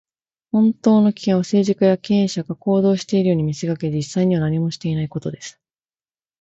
本当の危険は、政治家や経営者が行動しているように見せかけ、実際には何もしていないことです。